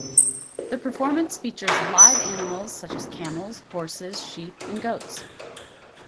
The performance features live animals, such as camels, horses, sheep, and goats.